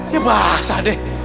ya basah deh